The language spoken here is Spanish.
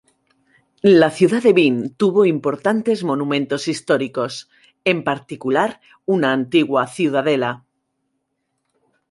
La ciudad de Vinh tuvo importantes monumentos históricos, en particular, una antigua ciudadela.